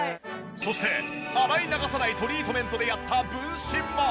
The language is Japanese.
そして洗い流さないトリートメントでやった分身も。